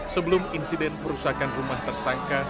sebelum insiden perusahaan rumah tersangka